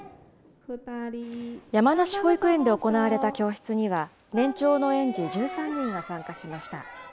山梨保育園で行われた教室には、年長の園児１３人が参加しました。